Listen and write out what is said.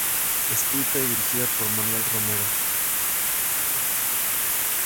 Escrita y dirigida por Manuel Romero.